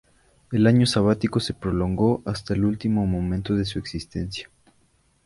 El año sabático se prolongó hasta el último momento de su existencia.